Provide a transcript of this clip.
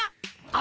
あ！